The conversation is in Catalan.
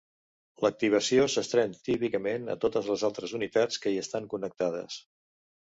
L'activació s'estén típicament a totes les altres unitats que hi estan connectades.